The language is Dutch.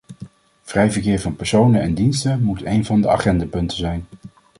Vrij verkeer van personen en diensten moet een van de agendapunten zijn.